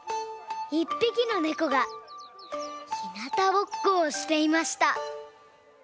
１ぴきのねこがひなたぼっこをしていました。